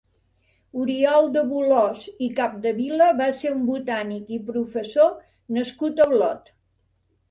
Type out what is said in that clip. Oriol de Bolòs i Capdevila va ser un botànic i professor nascut a Olot.